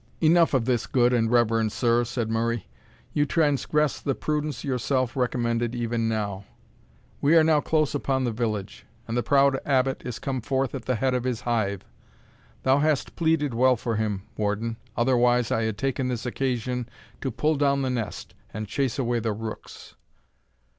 "Enough of this, good and reverend sir," said Murray; "you transgress the prudence yourself recommended even now. We are now close upon the village, and the proud Abbot is come forth at the head of his hive. Thou hast pleaded well for him, Warden, otherwise I had taken this occasion to pull down the nest, and chase away the rooks."